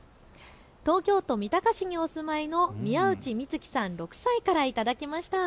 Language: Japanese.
東京都三鷹市にお住まいのみやうちみつきさん、６歳から頂きました。